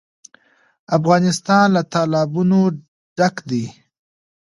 افغانستان له تالابونه ډک دی.